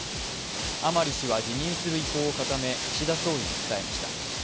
甘利氏は辞任する意向を固め岸田総理に伝えました。